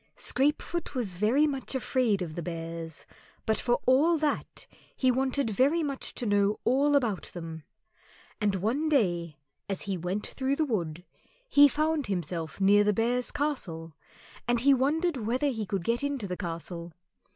Scrapefoot was very much afraid of the Bears, but for all that he wanted very much to know all about them. And one day as he went through the wood he found himself near the Bears' Castle, and he wondered whether he could get into the castle.